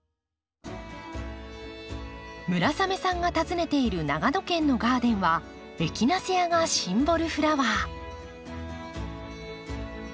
村雨さんが訪ねている長野県のガーデンはエキナセアがシンボルフラワー。